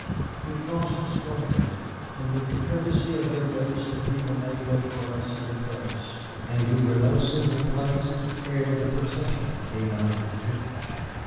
We crossed the square, and with the courtesy of their race the people made way for us in the press; and we were no sooner placed ere the procession came out of the church.